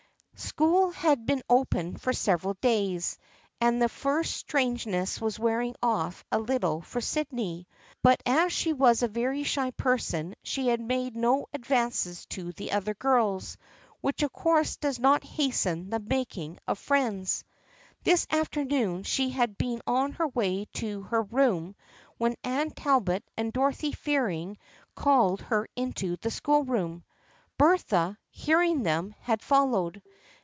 School had been open for several days, and the first strangeness was wearing off a little for Sydney, but as she was a very shy person she had made no advances to the other girls, which of course does not hasten the making of friends. This afternoon she had been on her way to her room when Anne Talbot and Dorothy Fearing called her into the schoolroom. Bertha, hearing them, had followed.